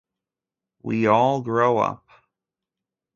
We all grow up.